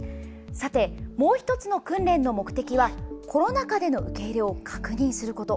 さて、もう１つの訓練の目的はコロナ禍での受け入れを確認すること。